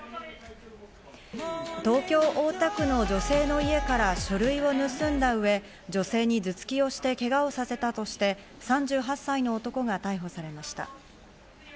東京・大田区の女性の家から書類を盗んだ上、女性に頭突きをして、けがをさせたとして、３８歳の男が逮捕されました。